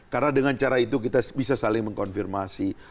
karena dengan cara itu kita bisa saling mengkonfirmasi